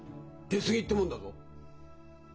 出過ぎってもんだぞ！